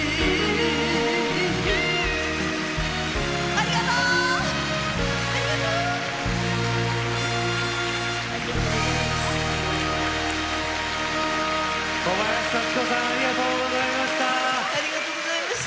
ありがとう！小林幸子さんありがとうございました。